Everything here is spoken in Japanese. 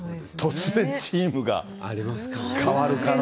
突然チームが変わる可能性が。